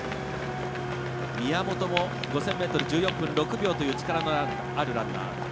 宮本も５０００ｍ１４分６秒という力のあるランナー。